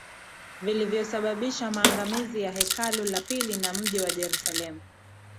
vilivyosababisha maangamizi ya Hekalu la pili na mji wa Yerusalemu